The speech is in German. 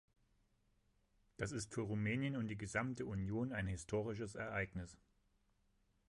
Das ist für Rumänien und die gesamte Union ein historisches Ereignis.